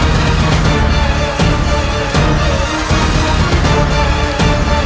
kau tidak akan sanggap